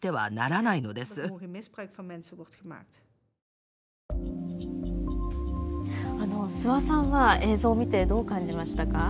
諏訪さんは映像を見てどう感じましたか？